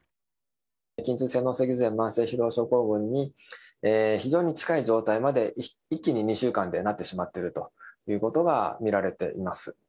筋痛性脳脊髄炎や慢性疲労症候群に非常に近い状態まで一気に２週間でなってしまっているということが見られています。